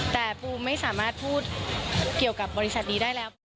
แต่ปูไม่สามารถพูดเกี่ยวกับบริษัทนี้ได้แล้ว